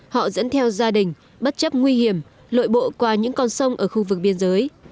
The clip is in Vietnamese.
họ dẫn theo gia đình bất chấp nguy hiểm lội bộ qua những con sông ở khu vực biên giới